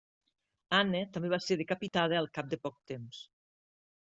Anna també va ser decapitada al cap de poc temps.